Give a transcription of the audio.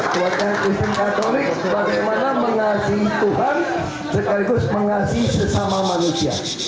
sebuah kata istimewa katolik bagaimana mengasihi tuhan sekaligus mengasihi sesama manusia